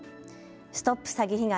ＳＴＯＰ詐欺被害！